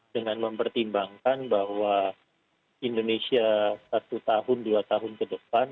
dengan mempertimbangkan bahwa indonesia satu tahun dua tahun ke depan